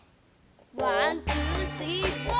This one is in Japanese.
ワンツースリーフォー！